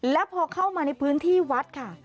แล้วพอเข้ามาในพื้นที่วัดค่ะ